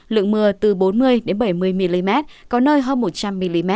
lượng mưa từ bốn mươi bảy mươi mm có nơi hơn một trăm linh mm